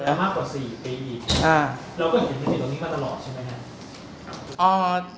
แล้วมากกว่า๔ปีอีกเราก็เห็นมันมีตรงนี้มาตลอดใช่ไหมนะ